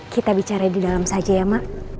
kita bicara di dalam saja ya mak